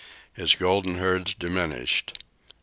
His golden herds diminished.